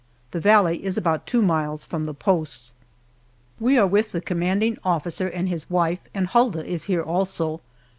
The valley is about two miles from the post. We are with the commanding officer and his wife, and Hulda is here also.